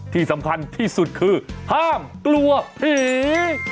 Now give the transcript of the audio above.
ที่สำคัญที่สุดคือห้ามกลัวผี